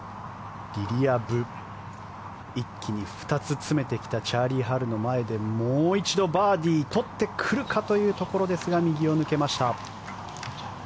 リリア・ブ一気に２つ詰めてきたチャーリー・ハルの前でもう一度バーディー取ってくるかというところですが右を抜けました。